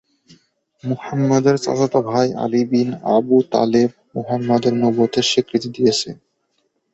মুহাম্মাদের চাচাত ভাই আলী বিন আবু তালেব মুহাম্মাদের নবুওয়াতের স্বীকৃতি দিয়েছে।